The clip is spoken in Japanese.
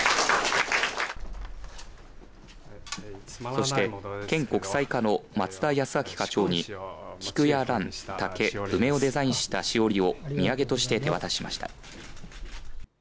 そして県国際課の松田恭明課長に菊やラン、竹、梅をデザインしたしおりをみやげとして手渡しました。